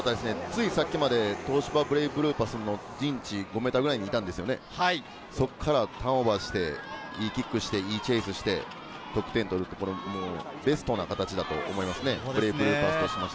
ついさっきまで東芝ブレイブルーパスの陣地、とどめていたんですが、ターンオーバーして、いいキック、チェイスをして得点を取る、ベストな形だと思います。